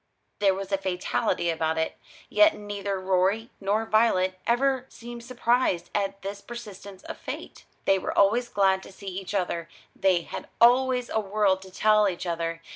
There was a fatality about it: yet neither Rorie nor Violet ever seemed surprised at this persistence of fate. They were always glad to see each other; they had always a world to tell each other.